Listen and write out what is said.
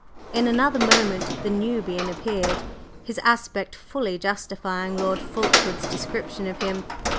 In another moment the Nubian appeared, his aspect fully justifying Lord Fulkeward's description of him.